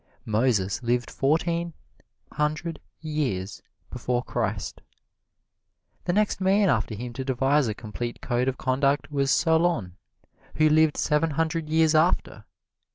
Moses lived fourteen hundred years before Christ. The next man after him to devise a complete code of conduct was Solon, who lived seven hundred years after.